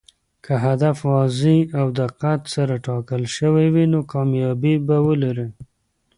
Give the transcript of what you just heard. که هدف واضح او دقت سره ټاکل شوی وي، نو کامیابي به ولري.